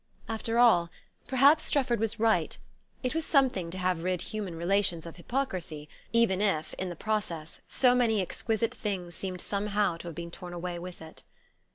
After all, perhaps Strefford was right; it was something to have rid human relations of hypocrisy, even if, in the process, so many exquisite things seemed somehow to have been torn away with it....